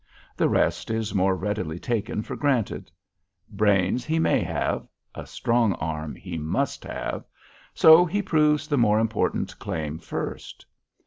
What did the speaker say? The rest is more readily taken for granted. Brains he may have—a strong arm he must have: so he proves the more important claim first.